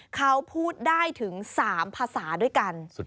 เขาพูดได้ถึง๓ภาษาด้วยกัน